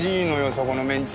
そこのメンチ。